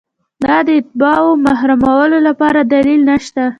دا د اتباعو محرومولو لپاره دلیل نشته.